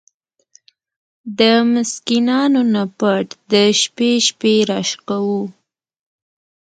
د مسکينانو نه پټ د شپې شپې را شکوو!!.